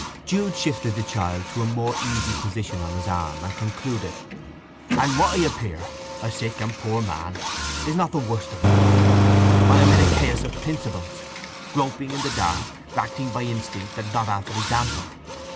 Jude shifted the child into a more easy position on his arm, and concluded: "And what I appear, a sick and poor man, is not the worst of me. I am in a chaos of principles—groping in the dark—acting by instinct and not after example.